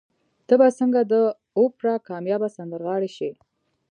ته به څنګه د اوپرا کاميابه سندرغاړې شې؟